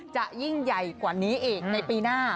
จะยิ่งใหญ่กว่านี้อีกในปีหน้า